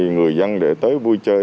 người dân để tới vui chơi